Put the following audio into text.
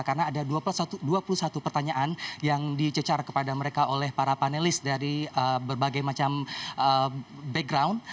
karena ada dua puluh satu pertanyaan yang dicecar kepada mereka oleh para panelis dari berbagai macam background